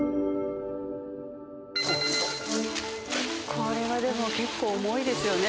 これはでも結構重いですよね。